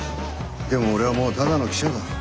でも俺はもうただの記者だ。